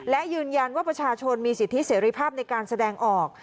และยืนยันว่าประชาชนมีสิทธิเสรีภาพในการแสดงออก